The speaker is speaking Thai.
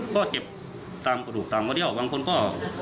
ก็เก็บตามกระดูกตามมาเที่ยวบางคนก็